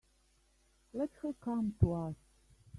Let her come to us.